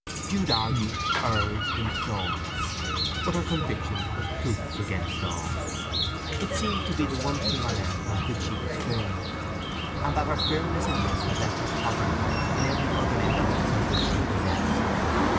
Jude argued, urged, implored; but her conviction was proof against all. It seemed to be the one thing on earth on which she was firm, and that her firmness in this had left her tottering in every other impulse and wish she possessed.